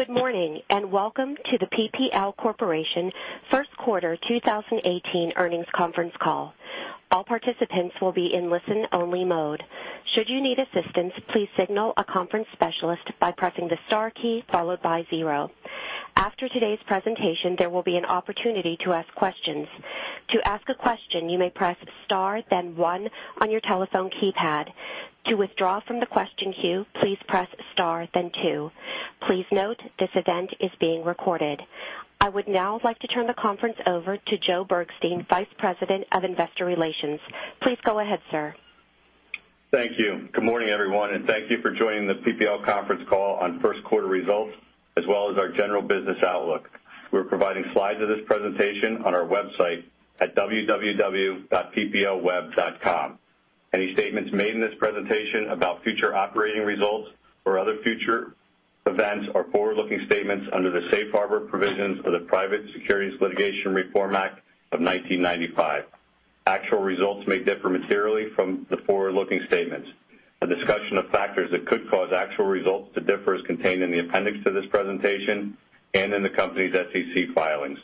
Good morning, and welcome to the PPL Corporation First Quarter 2018 Earnings Conference Call. All participants will be in listen-only mode. Should you need assistance, please signal a conference specialist by pressing the star key followed by zero. After today's presentation, there will be an opportunity to ask questions. To ask a question, you may press star then one on your telephone keypad. To withdraw from the question queue, please press star then two. Please note, this event is being recorded. I would now like to turn the conference over to Joe Bergstein, vice president of investor relations. Please go ahead, sir. Thank you. Good morning, everyone, and thank you for joining the PPL conference call on first quarter results as well as our general business outlook. We're providing slides of this presentation on our website at www.pplweb.com. Any statements made in this presentation about future operating results or other future events are forward-looking statements under the safe harbor provisions of the Private Securities Litigation Reform Act of 1995. Actual results may differ materially from the forward-looking statements. A discussion of factors that could cause actual results to differ is contained in the appendix to this presentation and in the company's SEC filings.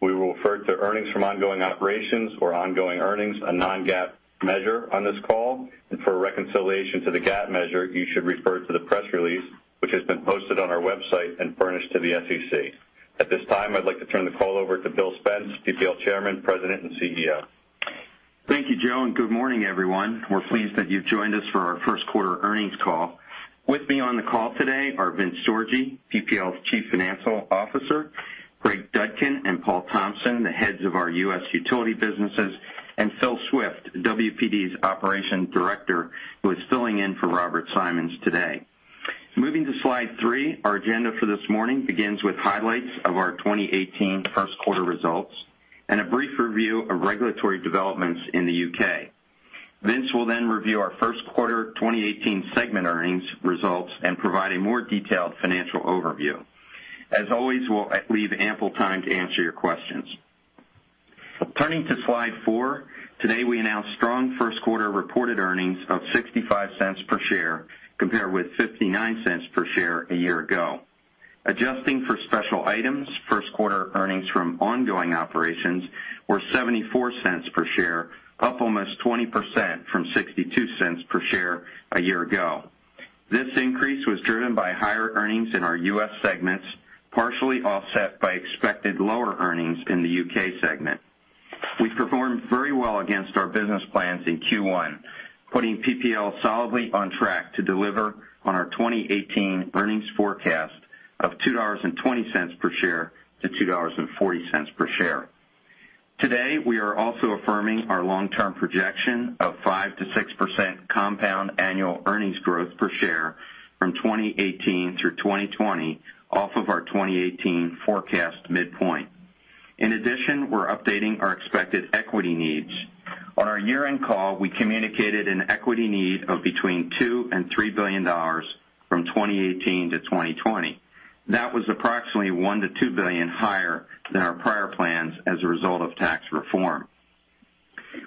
We will refer to earnings from ongoing operations or ongoing earnings, a non-GAAP measure on this call, and for a reconciliation to the GAAP measure, you should refer to the press release, which has been posted on our website and furnished to the SEC. At this time, I'd like to turn the call over to Bill Spence, PPL chairman, president, and CEO. Thank you, Joe, and good morning, everyone. We're pleased that you've joined us for our first-quarter earnings call. With me on the call today are Vince Sorgi, PPL's chief financial officer; Greg Dudkin and Paul Thompson, the heads of our U.S. utility businesses; and Phil Swift, WPD's operations director, who is filling in for Robert Symons today. Moving to slide three, our agenda for this morning begins with highlights of our 2018 first quarter results and a brief review of regulatory developments in the U.K. Vince will review our first quarter 2018 segment earnings results and provide a more detailed financial overview. As always, we'll leave ample time to answer your questions. Turning to slide four. Today, we announce strong first-quarter reported earnings of $0.65 per share compared with $0.59 per share a year ago. Adjusting for special items, first-quarter earnings from ongoing operations were $0.74 per share, up almost 20% from $0.62 per share a year ago. This increase was driven by higher earnings in our U.S. segments, partially offset by expected lower earnings in the U.K. segment. We performed very well against our business plans in Q1, putting PPL solidly on track to deliver on our 2018 earnings forecast of $2.20 per share to $2.40 per share. Today, we are also affirming our long-term projection of 5%-6% compound annual earnings growth per share from 2018 through 2020 off of our 2018 forecast midpoint. In addition, we're updating our expected equity needs. On our year-end call, we communicated an equity need of between $2 billion and $3 billion from 2018 to 2020. That was approximately $1 billion-$2 billion higher than our prior plans as a result of tax reform.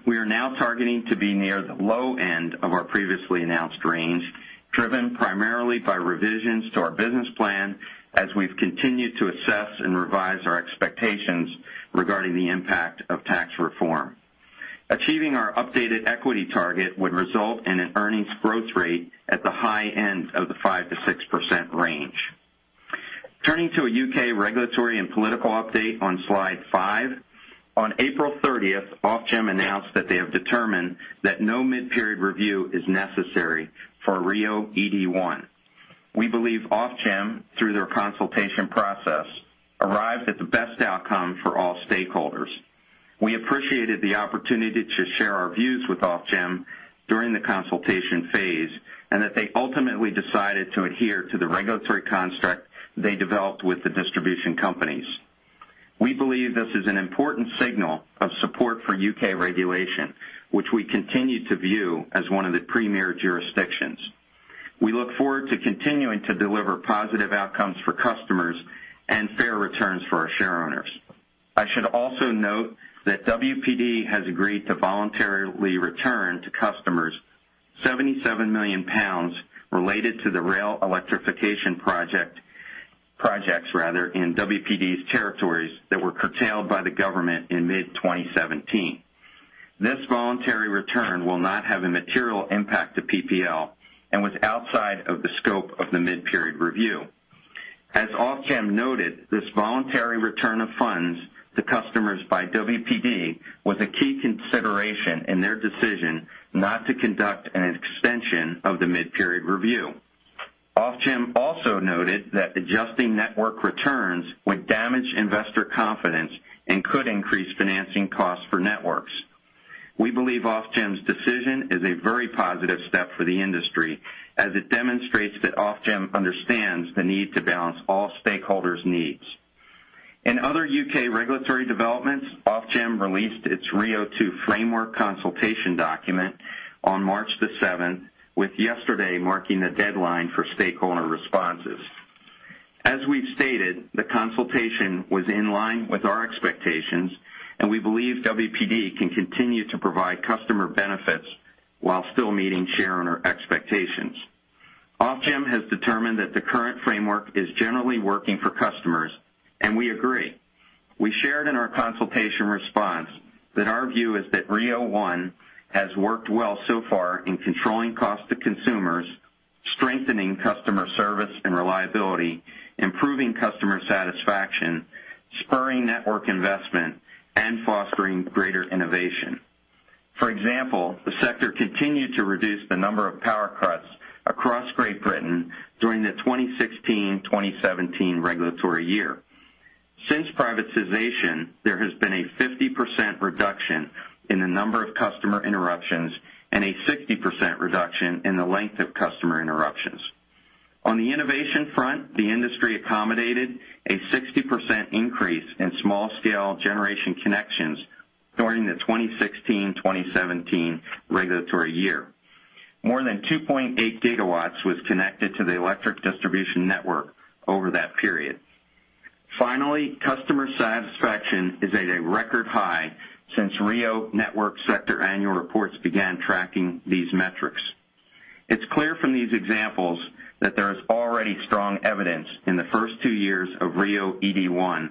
We are now targeting to be near the low end of our previously announced range, driven primarily by revisions to our business plan as we've continued to assess and revise our expectations regarding the impact of tax reform. Achieving our updated equity target would result in an earnings growth rate at the high end of the 5%-6% range. Turning to a U.K. regulatory and political update on slide five. On April 30th, Ofgem announced that they have determined that no mid-period review is necessary for RIIO-ED1. We believe Ofgem, through their consultation process, arrived at the best outcome for all stakeholders. We appreciated the opportunity to share our views with Ofgem during the consultation phase and that they ultimately decided to adhere to the regulatory construct they developed with the distribution companies. We believe this is an important signal of support for U.K. regulation, which we continue to view as one of the premier jurisdictions. We look forward to continuing to deliver positive outcomes for customers and fair returns for our shareowners. I should also note that WPD has agreed to voluntarily return to customers 77 million pounds related to the rail electrification projects in WPD's territories that were curtailed by the government in mid-2017. This voluntary return will not have a material impact to PPL and was outside of the scope of the mid-period review. As Ofgem noted, this voluntary return of funds to customers by WPD was a key consideration in their decision not to conduct an extension of the mid-period review. Ofgem also noted that adjusting network returns would damage investor confidence and could increase financing costs for networks. We believe Ofgem's decision is a very positive step for the industry as it demonstrates that Ofgem understands the need to balance all stakeholders' needs. In other U.K. regulatory developments, Ofgem released its RIIO-2 framework consultation document on March 7th, with yesterday marking the deadline for stakeholder responses. The consultation was in line with our expectations, and we believe WPD can continue to provide customer benefits while still meeting shareowner expectations. Ofgem has determined that the current framework is generally working for customers, and we agree. We shared in our consultation response that our view is that RIIO-1 has worked well so far in controlling cost to consumers, strengthening customer service and reliability, improving customer satisfaction, spurring network investment, and fostering greater innovation. For example, the sector continued to reduce the number of power cuts across Great Britain during the 2016-2017 regulatory year. Since privatization, there has been a 50% reduction in the number of customer interruptions and a 60% reduction in the length of customer interruptions. On the innovation front, the industry accommodated a 60% increase in small-scale generation connections during the 2016-2017 regulatory year. More than 2.8 gigawatts was connected to the electric distribution network over that period. Finally, customer satisfaction is at a record high since RIIO network sector annual reports began tracking these metrics. It is clear from these examples that there is already strong evidence in the first two years of RIIO-ED1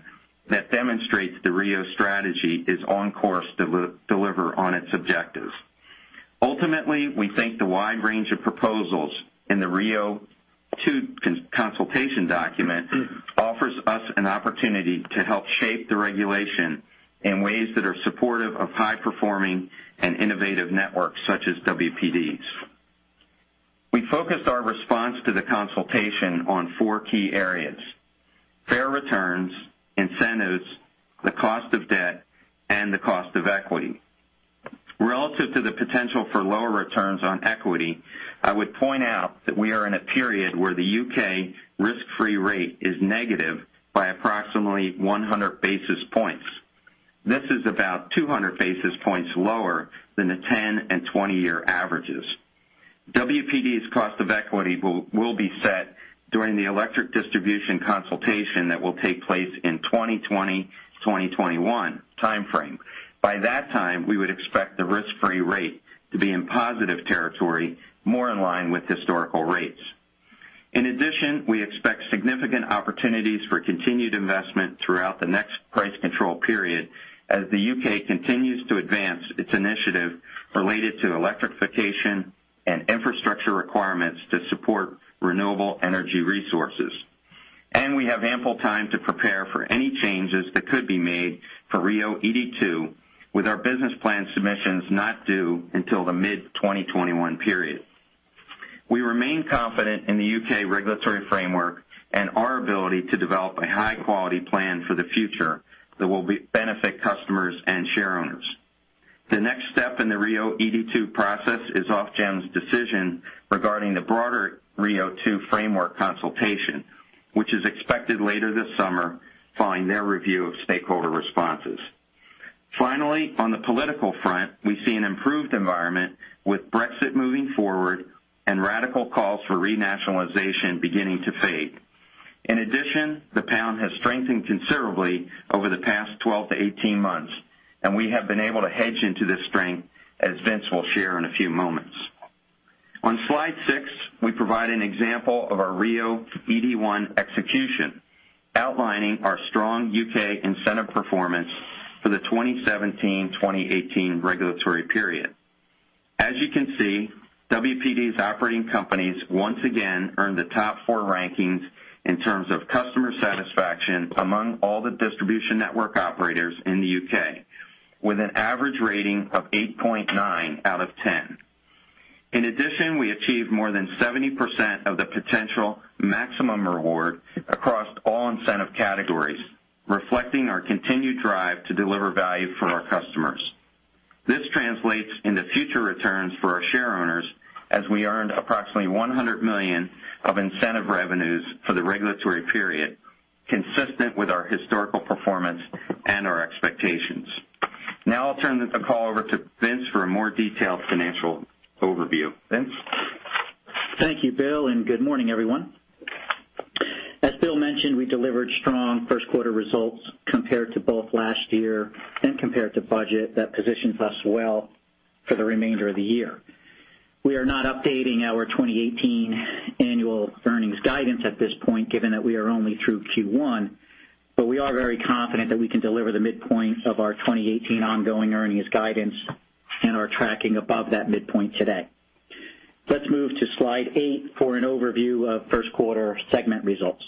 that demonstrates the RIIO strategy is on course to deliver on its objectives. Ultimately, we think the wide range of proposals in the RIIO-2 consultation document offers us an opportunity to help shape the regulation in ways that are supportive of high-performing and innovative networks such as WPD's. We focused our response to the consultation on four key areas: fair returns, incentives, the cost of debt, and the cost of equity. Relative to the potential for lower returns on equity, I would point out that we are in a period where the U.K. risk-free rate is negative by approximately 100 basis points. This is about 200 basis points lower than the 10 and 20-year averages. WPD's cost of equity will be set during the electric distribution consultation that will take place in 2020-2021 timeframe. By that time, we would expect the risk-free rate to be in positive territory, more in line with historical rates. We expect significant opportunities for continued investment throughout the next price control period as the U.K. continues to advance its initiative related to electrification and infrastructure requirements to support renewable energy resources. We have ample time to prepare for any changes that could be made for RIIO-ED2 with our business plan submissions not due until the mid-2021 period. We remain confident in the U.K. regulatory framework and our ability to develop a high-quality plan for the future that will benefit customers and shareowners. The next step in the RIIO-ED2 process is Ofgem's decision regarding the broader RIIO-2 framework consultation, which is expected later this summer following their review of stakeholder responses. Finally, on the political front, we see an improved environment with Brexit moving forward and radical calls for renationalization beginning to fade. The pound has strengthened considerably over the past 12 to 18 months, and we have been able to hedge into this strength, as Vince will share in a few moments. On slide six, we provide an example of our RIIO-ED1 execution, outlining our strong U.K. incentive performance for the 2017-2018 regulatory period. As you can see, WPD's operating companies once again earned the top four rankings in terms of customer satisfaction among all the distribution network operators in the U.K., with an average rating of 8.9 out of 10. We achieved more than 70% of the potential maximum reward across all incentive categories, reflecting our continued drive to deliver value for our customers. This translates into future returns for our shareowners, as we earned approximately $100 million of incentive revenues for the regulatory period, consistent with our historical performance and our expectations. I will turn the call over to Vince for a more detailed financial overview. Vince? Thank you, Bill, and good morning, everyone. As Bill mentioned, we delivered strong first-quarter results compared to both last year and compared to budget that positions us well for the remainder of the year. We are not updating our 2018 annual earnings guidance at this point, given that we are only through Q1, but we are very confident that we can deliver the midpoint of our 2018 ongoing earnings guidance and are tracking above that midpoint today. Let's move to slide eight for an overview of first-quarter segment results.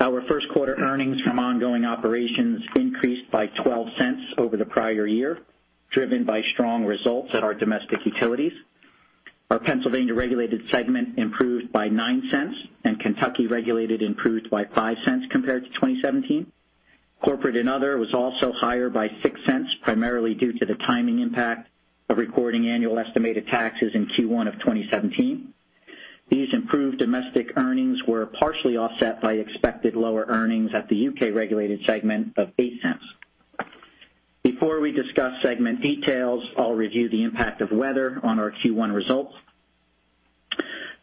Our first-quarter earnings from ongoing operations increased by $0.12 over the prior year, driven by strong results at our domestic utilities. Our Pennsylvania regulated segment improved by $0.09, and Kentucky regulated improved by $0.05 compared to 2017. Corporate and other was also higher by $0.06, primarily due to the timing impact of recording annual estimated taxes in Q1 of 2017. These improved domestic earnings were partially offset by expected lower earnings at the U.K.-regulated segment of $0.08. Before we discuss segment details, I'll review the impact of weather on our Q1 results.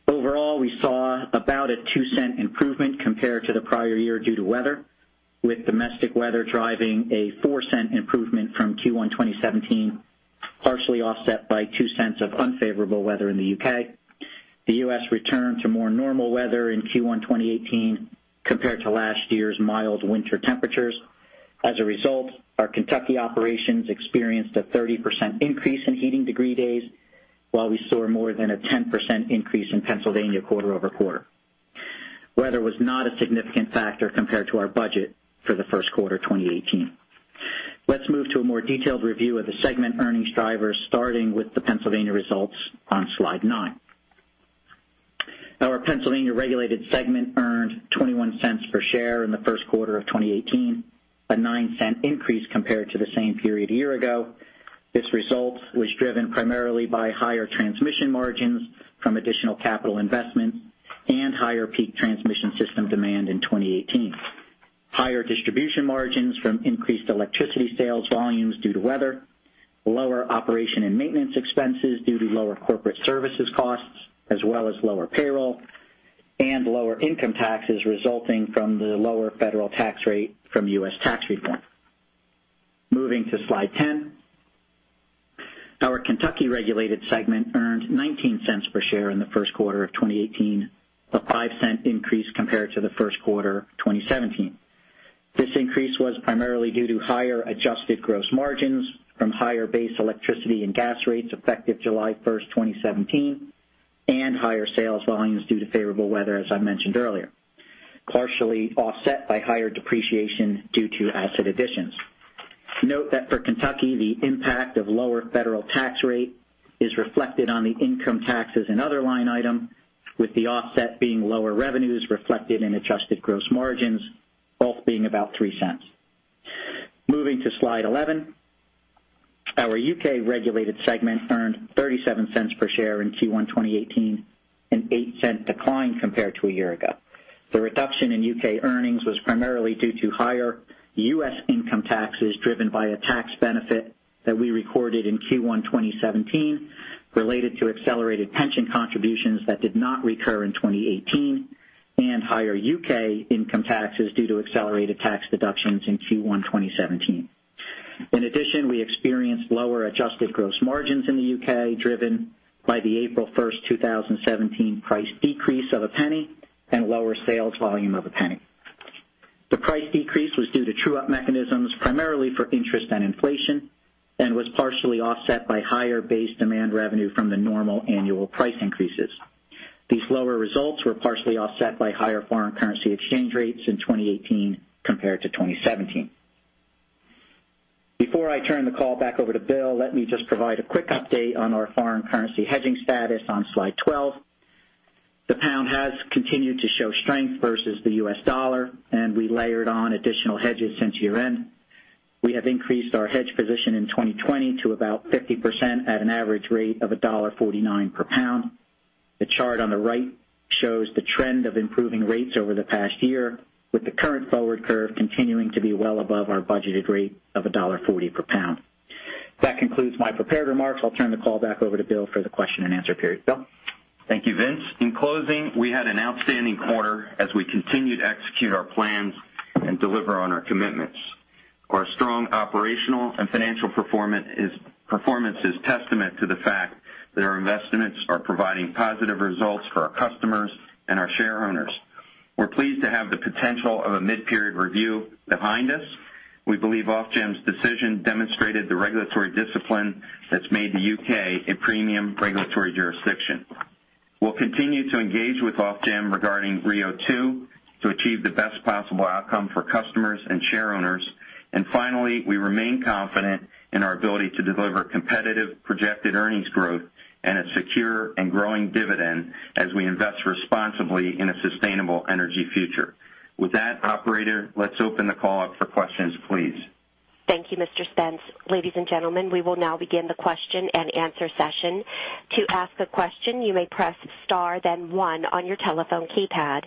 Overall, we saw about a $0.02 improvement compared to the prior year due to weather, with domestic weather driving a $0.04 improvement from Q1 2017, partially offset by $0.02 of unfavorable weather in the U.K. The U.S. returned to more normal weather in Q1 2018 compared to last year's mild winter temperatures. As a result, our Kentucky operations experienced a 30% increase in heating degree days, while we saw more than a 10% increase in Pennsylvania quarter-over-quarter. Weather was not a significant factor compared to our budget for the first quarter 2018. Let's move to a more detailed review of the segment earnings drivers, starting with the Pennsylvania results on slide nine. Our Pennsylvania regulated segment earned $0.21 per share in the first quarter of 2018, a $0.09 increase compared to the same period a year ago. This result was driven primarily by higher transmission margins from additional capital investment and higher peak transmission system demand in 2018. Higher distribution margins from increased electricity sales volumes due to weather, lower operation and maintenance expenses due to lower corporate services costs, as well as lower payroll and lower income taxes resulting from the lower federal tax rate from U.S. tax reform. Moving to slide 10. Our Kentucky regulated segment earned $0.19 per share in the first quarter of 2018, a $0.05 increase compared to the first quarter 2017. This increase was primarily due to higher adjusted gross margins from higher base electricity and gas rates effective July 1st, 2017, and higher sales volumes due to favorable weather, as I mentioned earlier, partially offset by higher depreciation due to asset additions. Note that for Kentucky, the impact of lower federal tax rate is reflected on the income taxes and other line item, with the offset being lower revenues reflected in adjusted gross margins, both being about $0.03. Moving to slide 11. Our U.K. regulated segment earned $0.37 per share in Q1 2018, an $0.08 decline compared to a year ago. The reduction in U.K. earnings was primarily due to higher U.S. income taxes driven by a tax benefit that we recorded in Q1 2017 related to accelerated pension contributions that did not recur in 2018 and higher U.K. income taxes due to accelerated tax deductions in Q1 2017. In addition, we experienced lower adjusted gross margins in the U.K., driven by the April 1st, 2017 price decrease of GBP 0.01 and lower sales volume of GBP 0.01. The price decrease was due to true-up mechanisms, primarily for interest and inflation, and was partially offset by higher base demand revenue from the normal annual price increases. These lower results were partially offset by higher foreign currency exchange rates in 2018 compared to 2017. Before I turn the call back over to Bill, let me just provide a quick update on our foreign currency hedging status on slide 12. The pound has continued to show strength versus the U.S. dollar. We have increased our hedge position in 2020 to about 50% at an average rate of $1.49 per pound. The chart on the right shows the trend of improving rates over the past year, with the current forward curve continuing to be well above our budgeted rate of $1.40 per pound. That concludes my prepared remarks. I'll turn the call back over to Bill for the question and answer period. Bill? Thank you, Vince. In closing, we had an outstanding quarter as we continued to execute our plans and deliver on our commitments. Our strong operational and financial performance is testament to the fact that our investments are providing positive results for our customers and our shareowners. We're pleased to have the potential of a mid-period review behind us. We believe Ofgem's decision demonstrated the regulatory discipline that's made the U.K. a premium regulatory jurisdiction. We'll continue to engage with Ofgem regarding RIIO-2 to achieve the best possible outcome for customers and shareowners. Finally, we remain confident in our ability to deliver competitive projected earnings growth and a secure and growing dividend as we invest responsibly in a sustainable energy future. With that, operator, let's open the call up for questions, please. Thank you, Mr. Spence. Ladies and gentlemen, we will now begin the question and answer session. To ask a question, you may press star then one on your telephone keypad.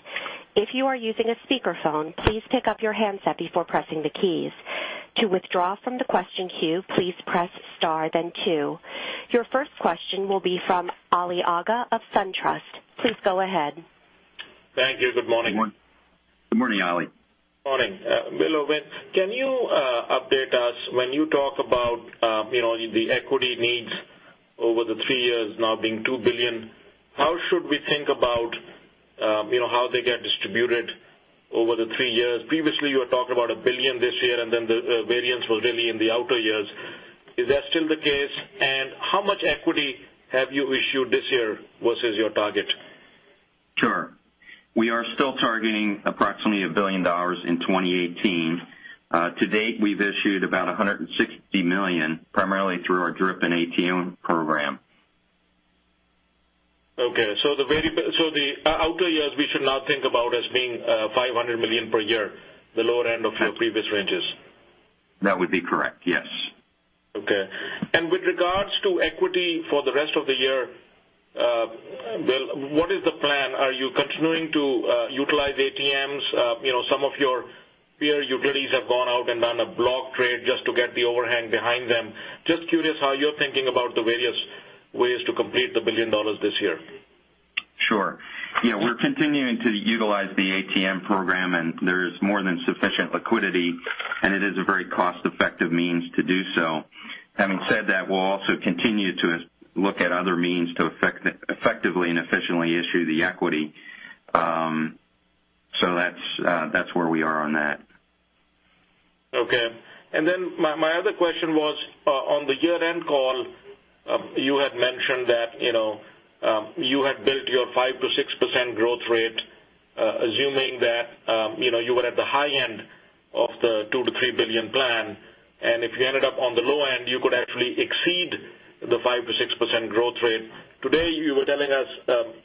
If you are using a speakerphone, please pick up your handset before pressing the keys. To withdraw from the question queue, please press star then two. Your first question will be from Ali Agha of SunTrust. Please go ahead. Thank you. Good morning. Good morning, Ali. Morning. Bill or Vince, can you update us when you talk about the equity needs over the three years now being $2 billion, how should we think about how they get distributed over the three years? Previously, you were talking about $1 billion this year, then the variance was really in the outer years. Is that still the case? How much equity have you issued this year versus your target? Sure. We are still targeting approximately $1 billion in 2018. To date, we've issued about $160 million, primarily through our DRIP and ATM program. Okay. The outer years we should now think about as being $500 million per year, the lower end of your previous ranges. That would be correct, yes. Okay. With regards to equity for the rest of the year, Bill, what is the plan? Are you continuing to utilize ATMs? Some of your peer utilities have gone out and done a block trade just to get the overhang behind them. Just curious how you're thinking about the various ways to complete the $1 billion this year. Sure. We're continuing to utilize the ATM program, and there is more than sufficient liquidity, and it is a very cost-effective means to do so. Having said that, we'll also continue to look at other means to effectively and efficiently issue the equity. That's where we are on that. Okay. My other question was, on the year-end call, you had mentioned that you had built your 5%-6% growth rate, assuming that you were at the high end of the $2 billion-$3 billion plan, and if you ended up on the low end, you could actually exceed the 5%-6% growth rate. Today, you were telling us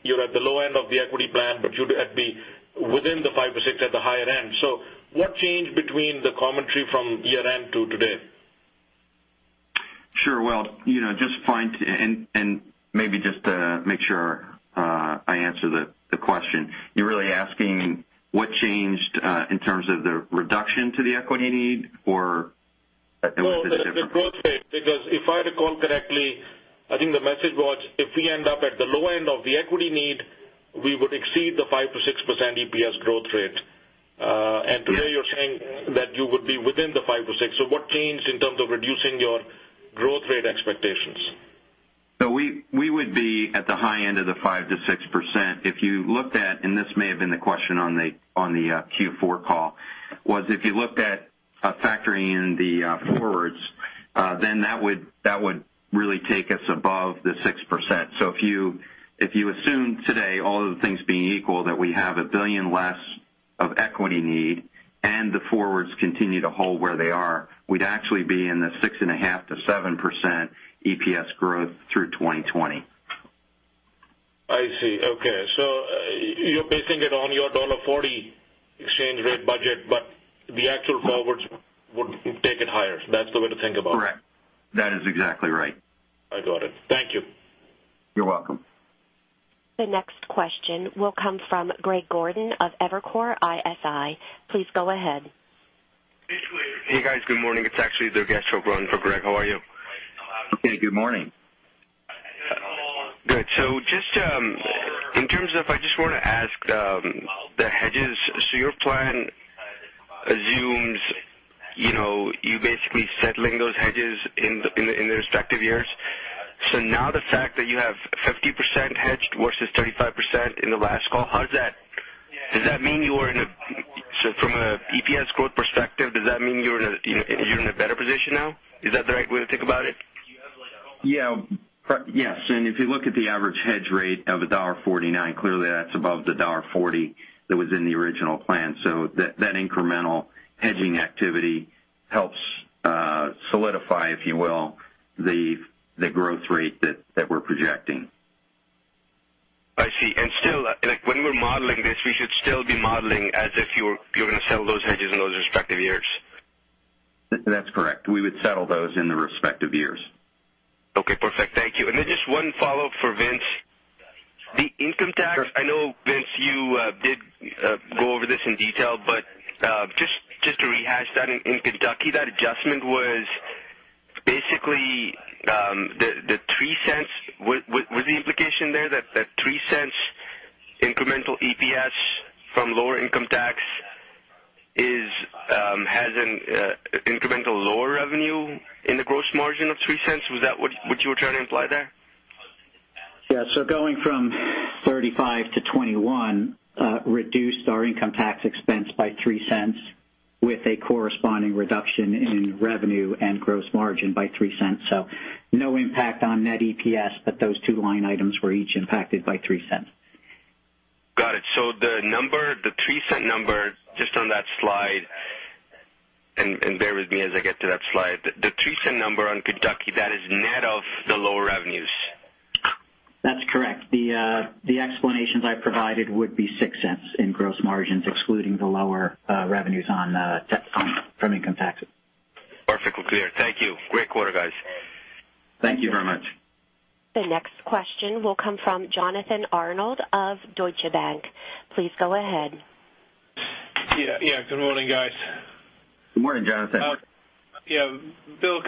you're at the low end of the equity plan, but you'd be within the 5%-6% at the higher end. What changed between the commentary from year-end to today? Sure. Well, maybe just to make sure I answer the question. You're really asking what changed in terms of the reduction to the equity need or was it a different? No, the growth rate. If I recall correctly, I think the message was, if we end up at the low end of the equity need, we would exceed the 5%-6% EPS growth rate. Yeah. Today you're saying that you would be within the 5%-6%. What changed in terms of reducing your growth rate expectations? We would be at the high end of the 5%-6%. If you looked at, and this may have been the question on the Q4 call, was if you looked at factoring in the forwards, that would really take us above the 6%. If you assume today, all other things being equal, that we have $1 billion less of equity need and the forwards continue to hold where they are, we'd actually be in the 6.5%-7% EPS growth through 2020. I see. Okay. You're basing it on your $1.40 exchange rate budget, the actual forwards would take it higher. That's the way to think about it. Correct. That is exactly right. I got it. Thank you. You're welcome. The next question will come from Greg Gordon of Evercore ISI. Please go ahead. Hey, guys. Good morning. It's actually Durgesh Chopra running for Greg. How are you? Okay. Good morning. Good. I just want to ask, the hedges, your plan assumes you basically settling those hedges in their respective years. Now the fact that you have 50% hedged versus 35% in the last call, from an EPS growth perspective, does that mean you're in a better position now? Is that the right way to think about it? Yes. If you look at the average hedge rate of $1.49, clearly that's above the $1.40 that was in the original plan. That incremental hedging activity helps solidify, if you will, the growth rate that we're projecting. I see. Still, when we're modeling this, we should still be modeling as if you're going to sell those hedges in those respective years. That's correct. We would settle those in the respective years. Okay, perfect. Thank you. Just one follow-up for Vince. Sure. The income tax. I know, Vince, you did go over this in detail, but just to rehash that, in Kentucky, that adjustment was basically the $0.03. Was the implication there that $0.03 incremental EPS from lower income tax has an incremental lower revenue in the gross margin of $0.03? Was that what you were trying to imply there? Yeah. Going from 35 to 21 reduced our income tax expense by $0.03 with a corresponding reduction in revenue and gross margin by $0.03. No impact on net EPS, but those two line items were each impacted by $0.03. Got it. The $0.03 number just on that slide, and bear with me as I get to that slide. The $0.03 number on Kentucky, that is net of the lower revenues? That's correct. The explanations I provided would be $0.06 in gross margins, excluding the lower revenues from income taxes. Perfectly clear. Thank you. Great quarter, guys. Thank you very much. The next question will come from Jonathan Arnold of Deutsche Bank. Please go ahead. Good morning, guys. Good morning, Jonathan. Bill,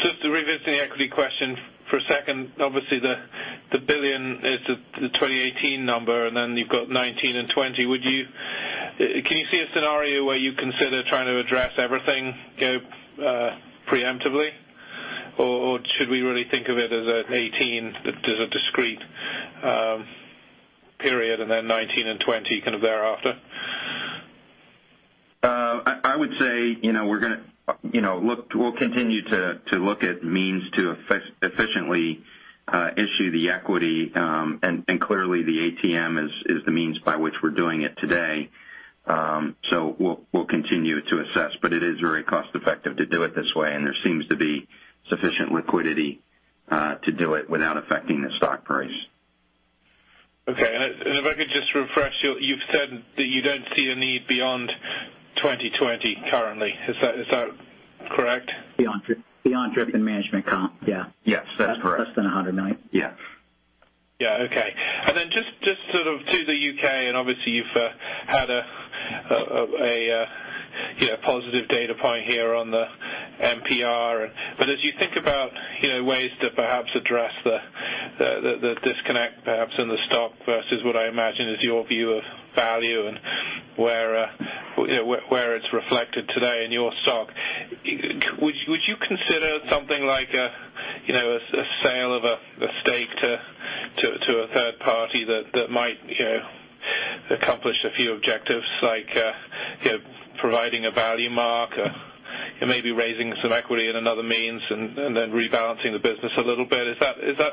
just revisiting the equity question for a second. Obviously, the $1 billion is the 2018 number, and then you've got 2019 and 2020. Can you see a scenario where you consider trying to address everything preemptively, or should we really think of it as an 2018 as a discrete period and then 2019 and 2020 thereafter? I would say we'll continue to look at means to efficiently issue the equity. Clearly the ATM is the means by which we're doing it today. We'll continue to assess, it is very cost-effective to do it this way, and there seems to be sufficient liquidity to do it without affecting the stock price. Okay. If I could just refresh, you've said that you don't see a need beyond 2020 currently. Is that correct? Beyond DRIP and management comp, yeah. Yes, that's correct. Less than $100 million. Yes. Yeah. Okay. Just to the U.K., obviously you've had a positive data point here on the MPR. As you think about ways to perhaps address the disconnect perhaps in the stock versus what I imagine is your view of value and where it's reflected today in your stock, would you consider something like a sale of a stake to a third party that might accomplish a few objectives like providing a value mark, maybe raising some equity in another means, then rebalancing the business a little bit? Is there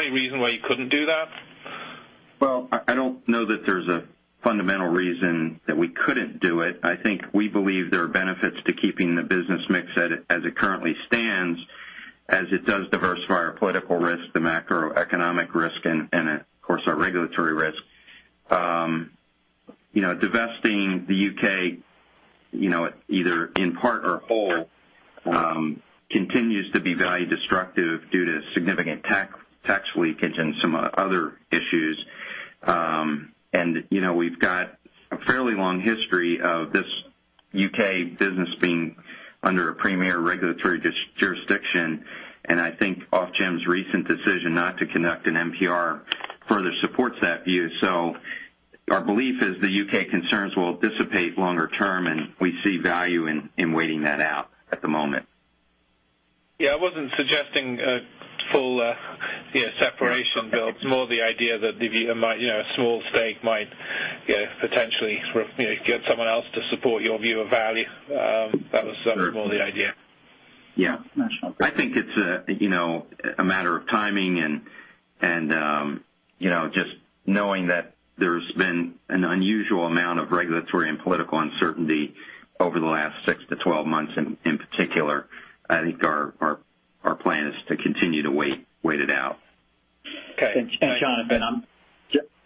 any reason why you couldn't do that? Well, I don't know that there's a fundamental reason that we couldn't do it. I think we believe there are benefits to keeping the business mix as it currently stands, as it does diversify our political risk, the macroeconomic risk, and of course, our regulatory risk. Divesting the U.K., either in part or whole, continues to be value destructive due to significant tax leakage and some other issues. We've got a fairly long history of this U.K. business being under a premier regulatory jurisdiction, I think Ofgem's recent decision not to conduct an MPR further supports that view. Our belief is the U.K. concerns will dissipate longer term, we see value in waiting that out at the moment. Yeah, I wasn't suggesting a full separation, Bill. It's more the idea that a small stake might potentially get someone else to support your view of value. That was more the idea. Yeah. I think it's a matter of timing and just knowing that there's been an unusual amount of regulatory and political uncertainty over the last 6 to 12 months in particular. I think our plan is to continue to wait it out. Okay.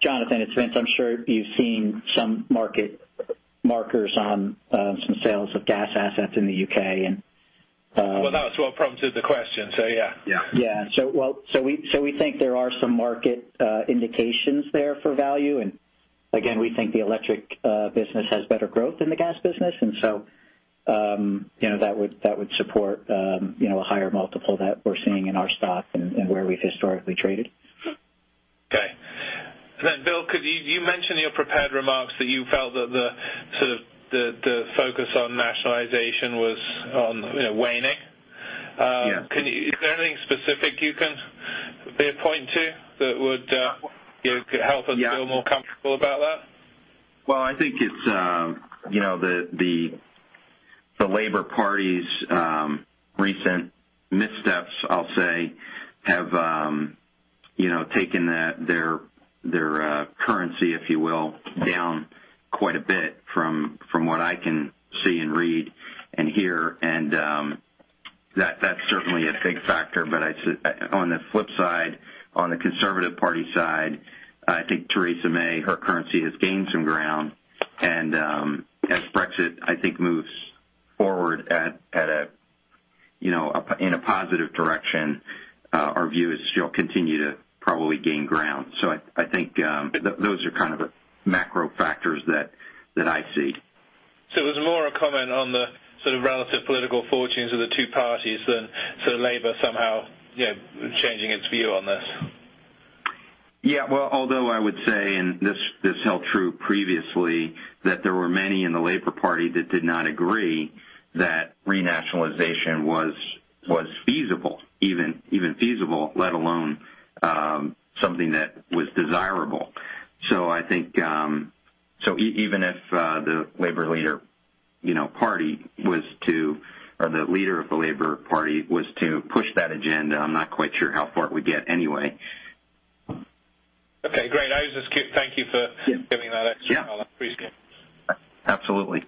Jonathan, it's Vince. I'm sure you've seen some market markers on some sales of gas assets in the U.K. Well, that's what prompted the question, yeah. Yeah. Yeah. We think there are some market indications there for value, and again, we think the electric business has better growth than the gas business. That would support a higher multiple that we're seeing in our stock and where we've historically traded. Okay. Bill, you mentioned in your prepared remarks that you felt that the focus on nationalization was waning. Yeah. Is there anything specific you can pinpoint to that would help us feel more comfortable about that? Well, I think it's the Labour Party's recent missteps, I'll say, have taken their currency, if you will, down quite a bit from what I can see and read and hear. That's certainly a big factor. On the flip side, on the Conservative Party side, I think Theresa May, her currency has gained some ground. As Brexit, I think moves forward in a positive direction, our view is she'll continue to probably gain ground. I think those are kind of the macro factors that I see. It was more a comment on the sort of relative political fortunes of the two parties than Labour somehow changing its view on this. Yeah. Well, although I would say, and this held true previously, that there were many in the Labour Party that did not agree that renationalization was feasible, even feasible, let alone something that was desirable. I think even if the leader of the Labour Party was to push that agenda, I'm not quite sure how far it would get anyway. Okay, great. Thank you for giving that extra color. Yeah. Appreciate it. Absolutely.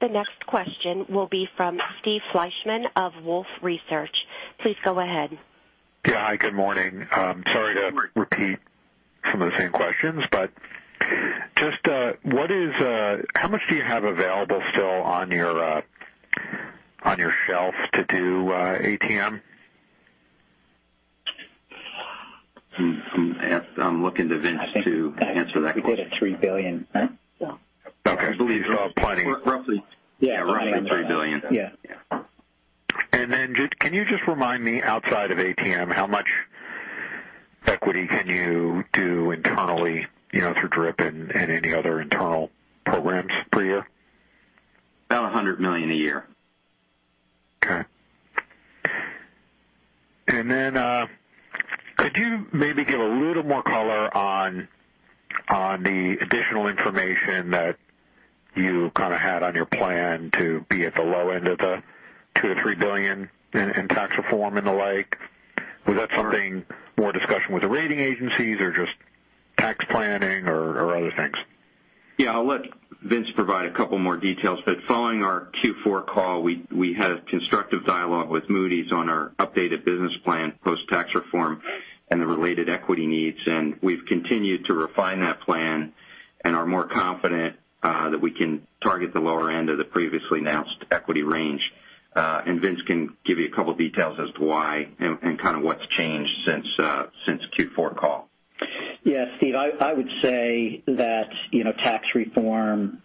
The next question will be from Steve Fleishman of Wolfe Research. Please go ahead. Yeah. Hi, good morning. Sorry to repeat some of the same questions, but just how much do you have available still on your shelf to do ATM? I'm looking to Vince to answer that question. We did a $3 billion, right? Okay. Roughly. Around the $3 billion. Yeah. Can you just remind me, outside of ATM, how much equity can you do internally through DRIP and any other internal programs per year? About $100 million a year. Then could you maybe give a little more color on the additional information that you kind of had on your plan to be at the low end of the $2 billion-$3 billion in tax reform and the like? Was that something more discussion with the rating agencies or just tax planning or other things? I'll let Vince provide a couple more details. Following our Q4 call, we had constructive dialogue with Moody's on our updated business plan, post-tax reform, and the related equity needs. We've continued to refine that plan and are more confident that we can target the lower end of the previously announced equity range. Vince can give you a couple of details as to why and what's changed since Q4 call. Steve, I would say that tax reform,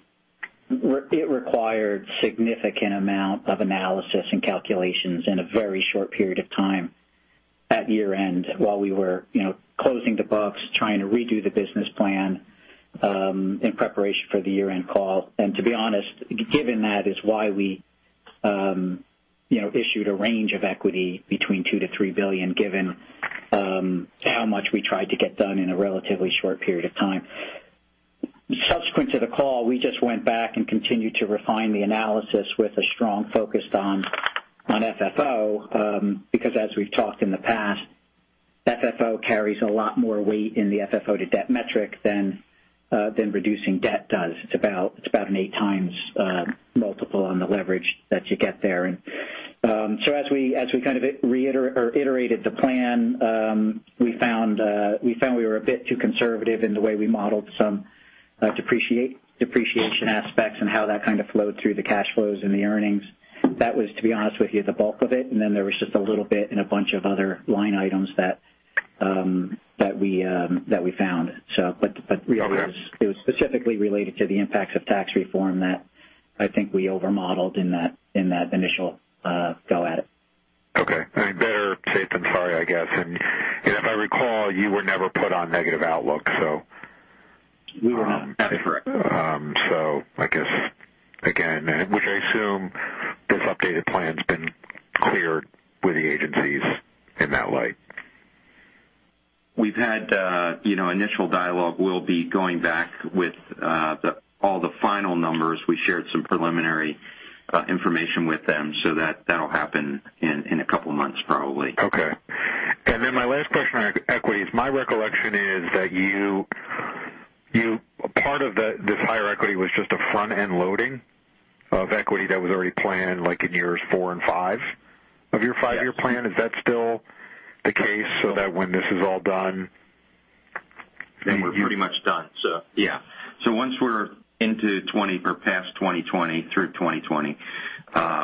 it required significant amount of analysis and calculations in a very short period of time at year-end while we were closing the books, trying to redo the business plan, in preparation for the year-end call. To be honest, given that is why we issued a range of equity between $2 billion-$3 billion, given how much we tried to get done in a relatively short period of time. Subsequent to the call, we just went back and continued to refine the analysis with a strong focus on FFO, because as we've talked in the past, FFO carries a lot more weight in the FFO to debt metric than reducing debt does. It's about an 8x multiple on the leverage that you get there. As we iterated the plan, we found we were a bit too conservative in the way we modeled some depreciation aspects and how that flowed through the cash flows and the earnings. That was, to be honest with you, the bulk of it, and then there was just a little bit in a bunch of other line items that we found. Okay It was specifically related to the impacts of tax reform that I think we over-modeled in that initial go at it. Okay. Better safe than sorry, I guess. If I recall, you were never put on negative outlook. We were not. That is correct. I guess, again, which I assume this updated plan's been cleared with the agencies in that light. We've had initial dialogue. We'll be going back with all the final numbers. We shared some preliminary information with them, so that'll happen in a couple of months, probably. Okay. My last question on equity is, my recollection is that part of this higher equity was just a front-end loading of equity that was already planned, like in years four and five of your five-year plan. Yes. Is that still the case? When this is all done We're pretty much done. Yeah. Once we're into 2020 or past 2020, through 2020,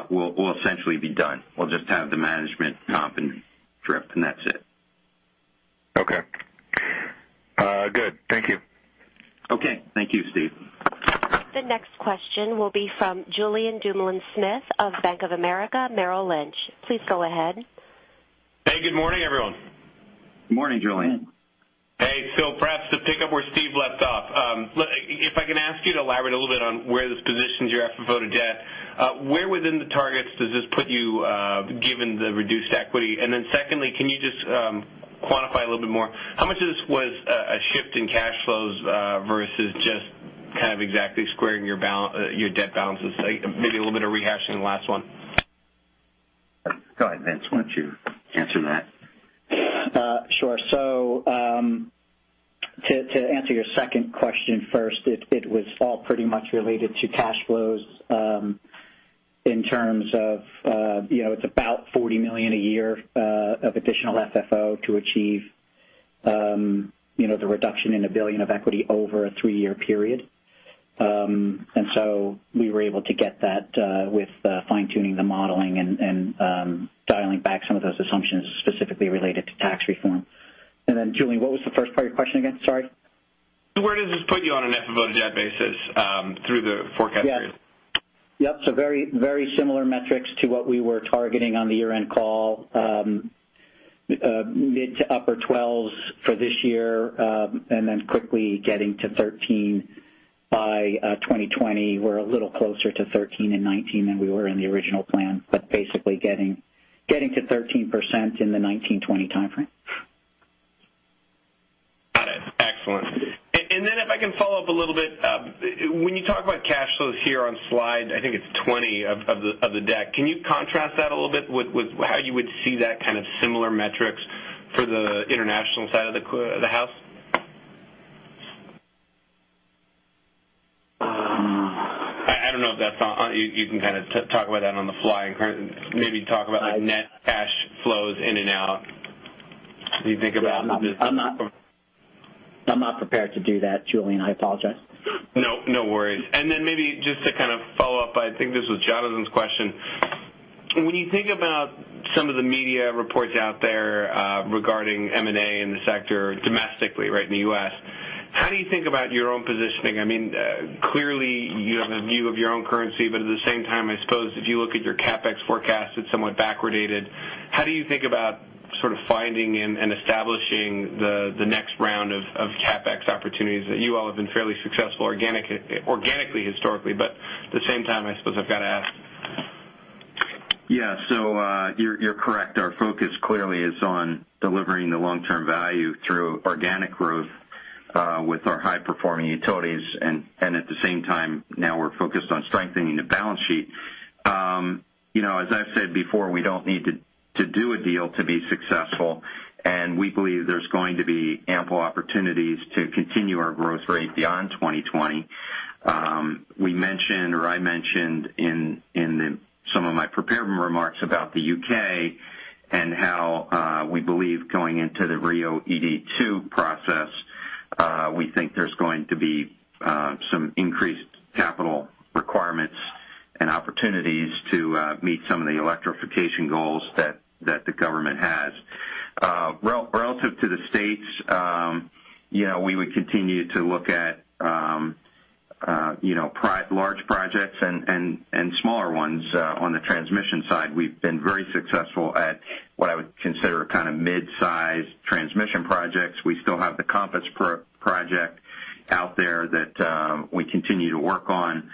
we'll essentially be done. We'll just have the management comp and DRIP, and that's it. Okay. Good. Thank you. Okay. Thank you, Steve. The next question will be from Julien Dumoulin-Smith of Bank of America Merrill Lynch. Please go ahead. Hey. Good morning, everyone. Good morning, Julien. Hey. Perhaps to pick up where Steve left off. If I can ask you to elaborate a little bit on where this positions your FFO to debt, where within the targets does this put you, given the reduced equity? And secondly, can you just quantify a little bit more, how much of this was a shift in cash flows, versus just kind of exactly squaring your debt balances? Maybe a little bit of rehashing the last one. Go ahead, Vince. Why don't you answer that? Sure. To answer your second question first, it was all pretty much related to cash flows, in terms of, it's about $40 million a year of additional FFO to achieve the reduction in $1 billion of equity over a three-year period. We were able to get that with fine-tuning the modeling and dialing back some of those assumptions specifically related to tax reform. Then, Julien, what was the first part of your question again? Sorry. Where does this put you on an FFO to debt basis through the forecast period? Yep. Very similar metrics to what we were targeting on the year-end call. Mid to upper 12s for this year, then quickly getting to 13 by 2020. We're a little closer to 13 in 2019 than we were in the original plan. Basically getting to 13% in the 2019, 2020 timeframe. Got it. Excellent. If I can follow up a little bit, when you talk about cash flows here on slide, I think it's 20 of the deck. Can you contrast that a little bit with how you would see that kind of similar metrics for the international side of the house? I don't know if you can kind of talk about that on the fly and maybe talk about the net cash flows in and out as you think about this? I'm not prepared to do that, Julien. I apologize. No. No worries. Then maybe just to kind of follow up, I think this was Jonathan's question. When you think about some of the media reports out there, regarding M&A in the sector domestically, right, in the U.S., how do you think about your own positioning? I mean, clearly you have a view of your own currency, but at the same time, I suppose if you look at your CapEx forecast, it's somewhat backwardated. How do you think about sort of finding and establishing the next round of CapEx opportunities that you all have been fairly successful organically, historically, but at the same time, I suppose I've got to ask. Yeah. You're correct. Our focus clearly is on delivering the long-term value through organic growth, with our high-performing utilities. At the same time, now we're focused on strengthening the balance sheet. As I've said before, we don't need to do a deal to be successful, we believe there's going to be ample opportunities to continue our growth rate beyond 2020. I mentioned in some of my prepared remarks about the U.K. and how we believe going into the RIIO-ED2 process, we think there's going to be some increased capital requirements and opportunities to meet some of the electrification goals that the government has. Relative to the U.S., we would continue to look at large projects and smaller ones on the transmission side. We've been very successful at what I would consider mid-sized transmission projects. We still have the Project Compass out there that we continue to work on.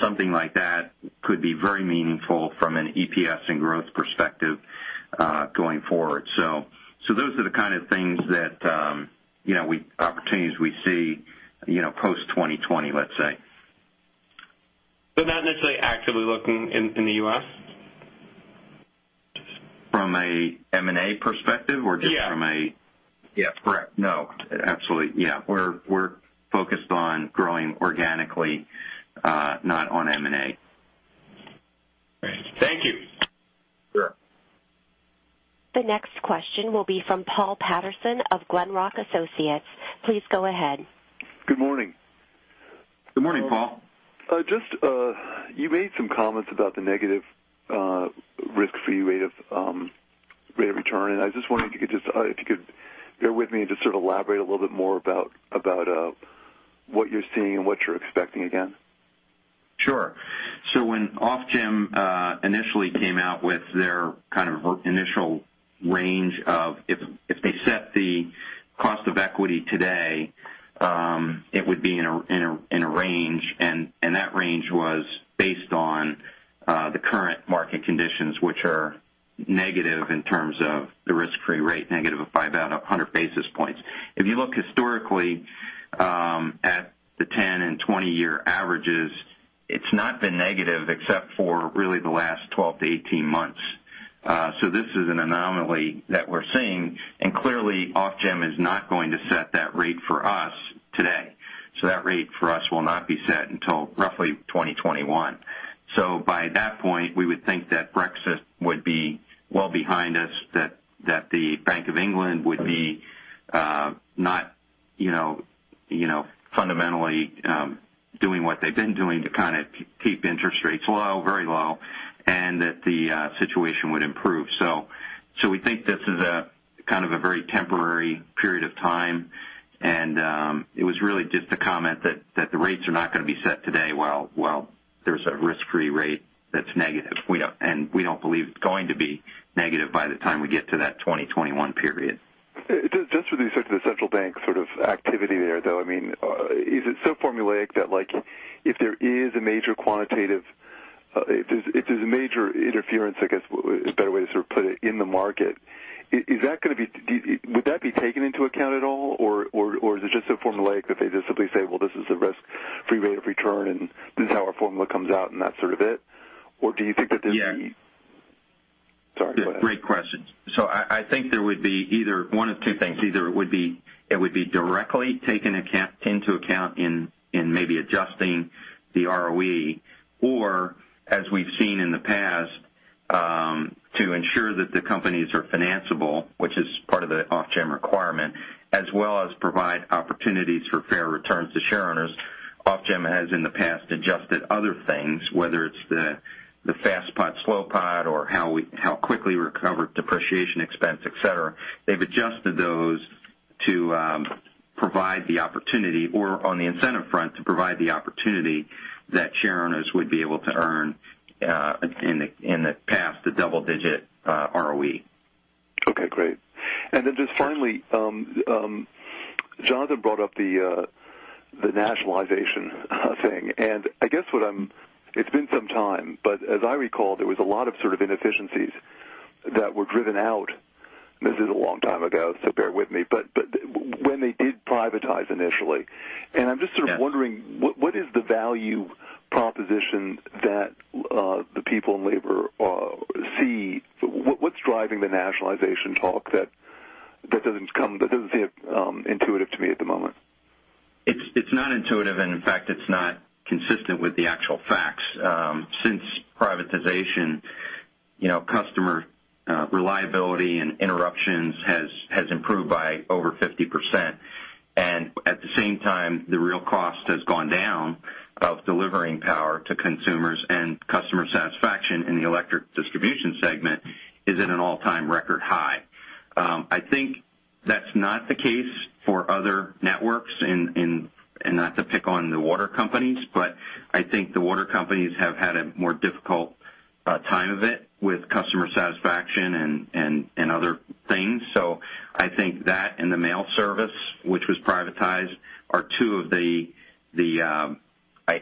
Something like that could be very meaningful from an EPS and growth perspective going forward. Those are the kind of opportunities we see post 2020, let's say. Not necessarily actively looking in the U.S.? From a M&A perspective? Yeah. Yeah. Correct. No, absolutely. Yeah. We're focused on growing organically, not on M&A. Great. Thank you. Sure. The next question will be from Paul Patterson of Glenrock Associates. Please go ahead. Good morning. Good morning, Paul. You made some comments about the negative risk-free rate of return, I just wondered if you could bear with me and just elaborate a little bit more about what you're seeing and what you're expecting again. Sure. When Ofgem initially came out with their initial range of if they set the cost of equity today, it would be in a range, that range was based on the current market conditions, which are negative in terms of the risk-free rate, negative of 500 basis points. If you look historically at the 10 and 20-year averages, it's not been negative except for really the last 12 to 18 months. This is an anomaly that we're seeing, clearly Ofgem is not going to set that rate for us today. That rate for us will not be set until roughly 2021. By that point, we would think that Brexit would be well behind us, that the Bank of England would be not fundamentally doing what they've been doing to keep interest rates low, very low, that the situation would improve. We think this is a very temporary period of time, it was really just a comment that the rates are not going to be set today while there's a risk-free rate that's negative. We don't believe it's going to be negative by the time we get to that 2021 period. Just with respect to the central bank sort of activity there, though, is it so formulaic that if there is a major quantitative, if there's major interference, I guess, a better way to sort of put it, in the market? Would that be taken into account at all, or is it just so formulaic that they just simply say, well, this is the risk-free rate of return, this is how our formula comes out, that's sort of it? Or do you think that there's any? Yeah. Sorry, go ahead. Great question. I think there would be either one of two things. Either it would be directly taken into account in maybe adjusting the ROE or, as we've seen in the past, to ensure that the companies are financeable, which is part of the Ofgem requirement, as well as provide opportunities for fair returns to share owners. Ofgem has in the past adjusted other things, whether it's the fast money, slow pot, or how quickly we recover depreciation expense, et cetera. They've adjusted those to provide the opportunity or on the incentive front, to provide the opportunity that share owners would be able to earn in the past the double-digit ROE. Okay, great. Just finally, Jonathan brought up the nationalization thing, and I guess it's been some time, but as I recall, there was a lot of sort of inefficiencies that were driven out. This is a long time ago, bear with me, but when they did privatize initially, and I'm just sort of wondering what is the value proposition that the people in Labour see? What's driving the nationalization talk that doesn't seem intuitive to me at the moment? It's not intuitive, in fact, it's not consistent with the actual facts. Since privatization, customer reliability and interruptions has improved by over 50%. At the same time, the real cost has gone down of delivering power to consumers, and customer satisfaction in the electric distribution segment is at an all-time record high. I think that's not the case for other networks and not to pick on the water companies, but I think the water companies have had a more difficult time of it with customer satisfaction and other things. I think that and the mail service, which was privatized, are two of the,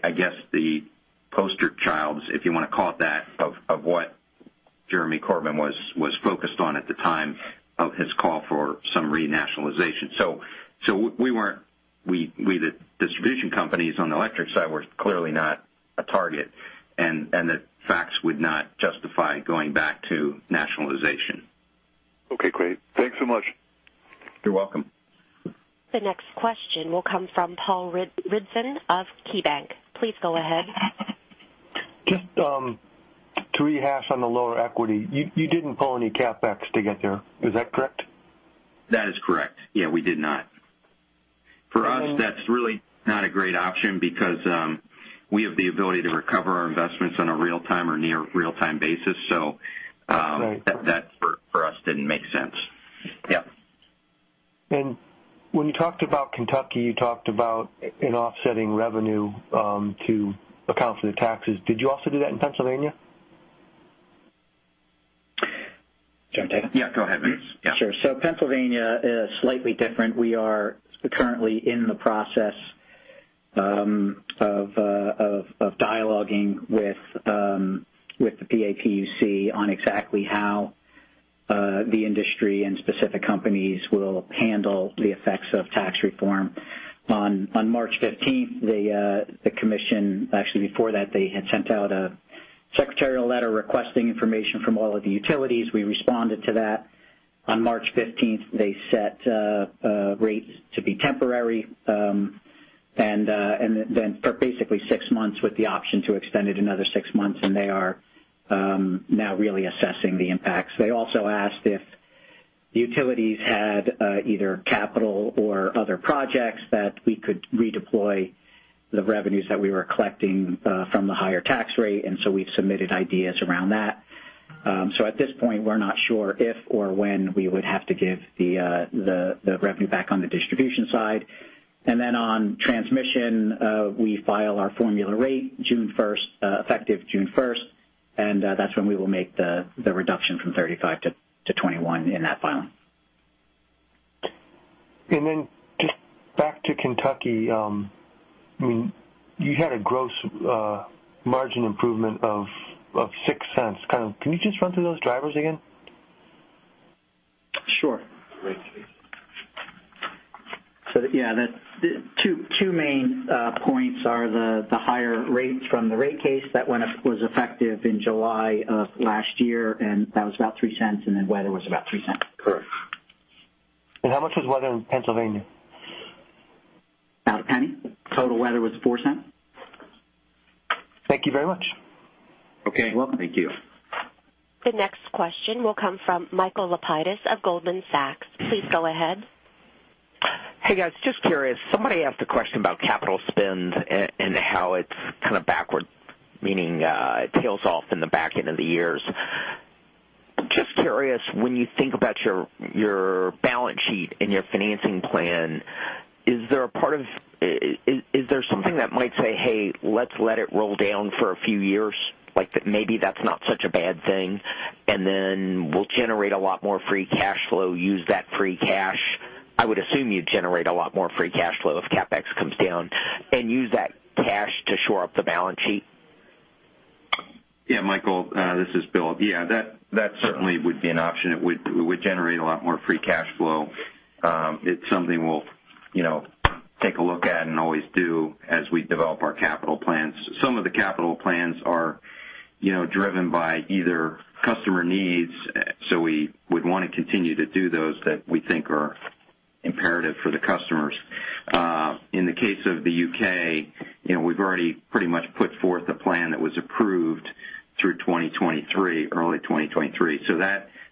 I guess the poster child's, if you want to call it that, of what Jeremy Corbyn was focused on at the time of his call for some renationalization. We, the distribution companies on the electric side, were clearly not a target, and the facts would not justify going back to nationalization. Okay, great. Thanks so much. You're welcome. The next question will come from Paul Ridzon of KeyBanc. Please go ahead. Just to rehash on the lower equity, you didn't pull any CapEx to get there. Is that correct? That is correct. Yeah, we did not. For us, that's really not a great option because we have the ability to recover our investments on a real-time or near real-time basis. That's right. That for us didn't make sense. Yeah. When you talked about Kentucky, you talked about an offsetting revenue to account for the taxes. Did you also do that in Pennsylvania? Do you want me to take that? Yeah, go ahead, Vince. Yeah. Sure. Pennsylvania is slightly different. We are currently in the process of dialoguing with the PA PUC on exactly how the industry and specific companies will handle the effects of tax reform. On March 15th, the commission, actually, before that, they had sent out a secretarial letter requesting information from all of the utilities. We responded to that. On March 15th, they set rates to be temporary, then for basically six months with the option to extend it another six months. They are now really assessing the impacts. They also asked if the utilities had either capital or other projects that we could redeploy the revenues that we were collecting from the higher tax rate. We've submitted ideas around that. At this point, we're not sure if or when we would have to give the revenue back on the distribution side. Then on transmission, we file our formula rate effective June 1st. That's when we will make the reduction from 35 to 21 in that filing. Then just back to Kentucky. You had a gross margin improvement of $0.06. Can you just run through those drivers again? Sure. Rate case. Yeah, two main points are the higher rates from the rate case that was effective in July of last year, that was about $0.03, then weather was about $0.03. Correct. How much was weather in Pennsylvania? Not $0.01. Total weather was $0.04. Thank you very much. Okay. You're welcome. Thank you. The next question will come from Michael Lapides of Goldman Sachs. Please go ahead. Hey, guys. Just curious, somebody asked a question about capital spend and how it's kind of backward, meaning it tails off in the back end of the years. Just curious, when you think about your balance sheet and your financing plan, is there something that might say, "Hey, let's let it roll down for a few years?" Like maybe that's not such a bad thing. Then we'll generate a lot more free cash flow, use that free cash. I would assume you'd generate a lot more free cash flow if CapEx comes down, and use that cash to shore up the balance sheet. Yeah, Michael, this is Bill. Yeah, that certainly would be an option. It would generate a lot more free cash flow. It's something we'll take a look at and always do as we develop our capital plans. Some of the capital plans are driven by either customer needs, so we would want to continue to do those that we think are imperative for the customers. In the case of the U.K., we've already pretty much put forth a plan that was approved through 2023, early 2023.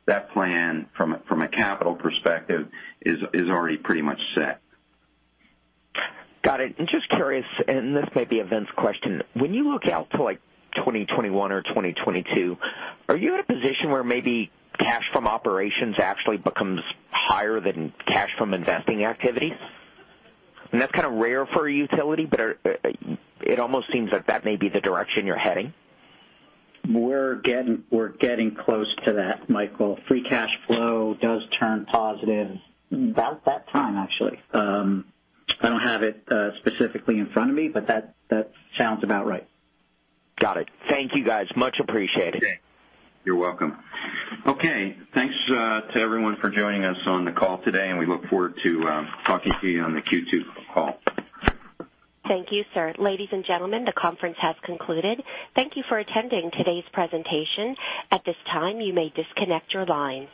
That plan from a capital perspective is already pretty much set. Got it. Just curious, this might be a Vince question, when you look out to 2021 or 2022, are you in a position where maybe cash from operations actually becomes higher than cash from investing activities? That's kind of rare for a utility, but it almost seems like that may be the direction you're heading. We're getting close to that, Michael. Free cash flow does turn positive about that time, actually. I don't have it specifically in front of me, but that sounds about right. Got it. Thank you, guys. Much appreciated. Okay. You're welcome. Okay. Thanks to everyone for joining us on the call today. We look forward to talking to you on the Q2 call. Thank you, sir. Ladies and gentlemen, the conference has concluded. Thank you for attending today's presentation. At this time, you may disconnect your lines.